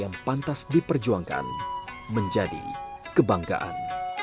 yang pantas diperjuangkan menjadi kebanggaan